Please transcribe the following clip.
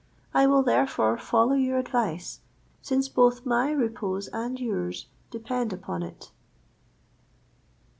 I will therefore follow your advice, since both my repose and yours depend upon it.